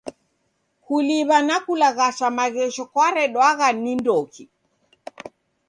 Kuliw'a na kulaghasha maghesho kwaredwagha ni ndoki?